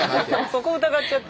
そこを疑っちゃって。